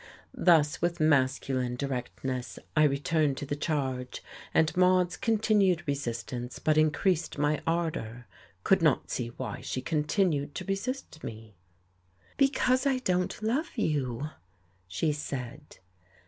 Thus with masculine directness I returned to the charge, and Maude's continued resistance but increased my ardour; could not see why she continued to resist me. "Because I don't love you," she said.